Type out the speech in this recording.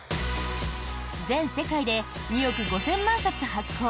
全世界で２億５０００万冊発行。